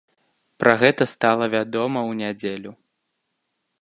Пра гэта стала вядома ў нядзелю.